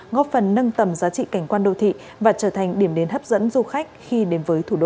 góp phần nâng tầm giá trị cảnh quan đô thị và trở thành điểm đến hấp dẫn du khách khi đến với thủ đô